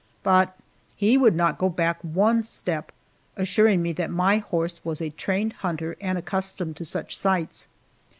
But he would not go back one step, assuring me that my horse was a trained hunter and accustomed to such sights.